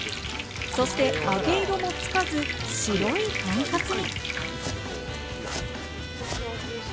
そして揚げ色もつかず、白いとんかつに。